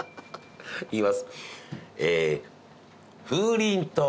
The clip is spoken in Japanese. いきます。